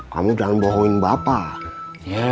kamu jangan bohongin bapak